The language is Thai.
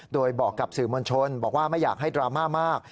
โดยบอกกับสื่อมวลชนบอกว่าไม่อยากให้ดราม่ามาก